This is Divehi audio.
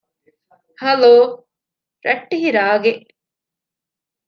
ހަލޯ! ރައްޓެހި ރާގެއް